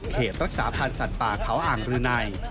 เขตรักษาพันธ์สัตว์ป่าเผาอ่างรื้อใน